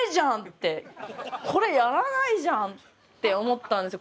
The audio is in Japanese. これやらないじゃんって思ったんですよ